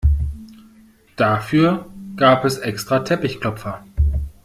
Dafür gab es extra Teppichklopfer.